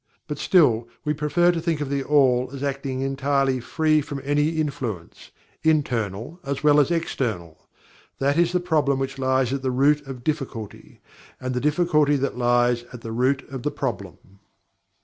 But, still, we prefer to think of THE ALL as acting entirely FREE from any influence, internal as well as external. That is the problem which lies at the root of difficulty and the difficulty that lies at the root of the problem.